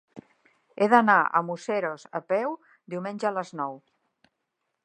He d'anar a Museros a peu diumenge a les nou.